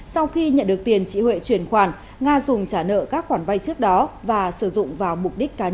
sau khi nhận được tiền chị huệ chuyển khoản nga dùng trả nợ các khoản vay trước đó và sử dụng vào mục đích cá nhân